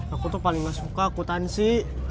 aku tuh paling gak suka akutansi